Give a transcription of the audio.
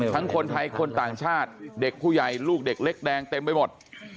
คนไทยคนต่างชาติเด็กผู้ใหญ่ลูกเด็กเล็กแดงเต็มไปหมด